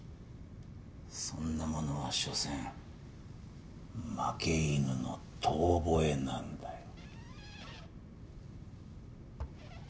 そんなものはしょせん負け犬の遠ぼえなんだよ。